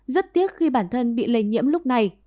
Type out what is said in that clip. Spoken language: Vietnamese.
rất tiếc khi bản thân bị lây nhiễm lúc này